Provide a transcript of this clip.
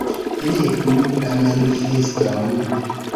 Legu la manifeston.